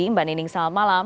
mbak nining selamat malam